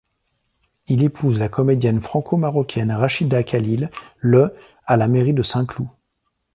Il épouse la comédienne franco-marocaine Rachida Khalil le à la mairie de Saint-Cloud.